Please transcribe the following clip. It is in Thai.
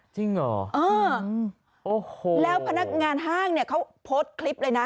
จริงเหรอเออโอ้โหแล้วพนักงานห้างเนี่ยเขาโพสต์คลิปเลยนะ